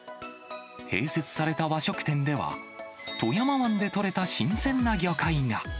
併設された和食店では、富山湾で取れた新鮮な魚介が。